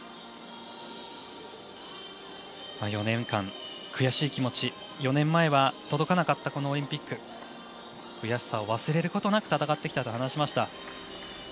４年間、悔しい気持ち４年前は届かなかったこのオリンピック悔しさを忘れることなく戦ってきたと話しました。